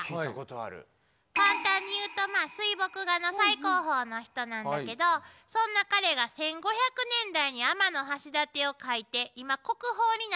簡単に言うと水墨画の最高峰の人なんだけどそんな彼が１５００年代に天橋立を描いて今国宝になってるの。